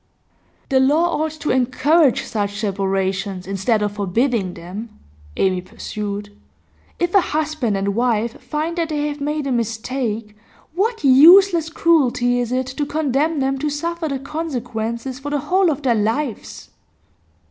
'The law ought to encourage such separations, instead of forbidding them,' Amy pursued. 'If a husband and wife find that they have made a mistake, what useless cruelty it is to condemn them to suffer the consequences for the whole of their lives!